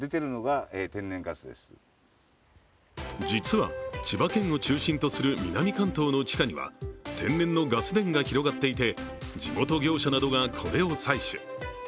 実は、千葉県を中心とする南関東の地下には天然のガス田が広がっていて地元業者などがこれを採取。